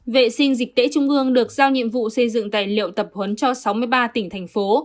vệ sinh dịch tễ trung ương được giao nhiệm vụ xây dựng tài liệu tập huấn cho sáu mươi ba tỉnh thành phố